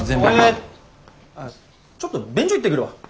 俺ちょっと便所行ってくるわ。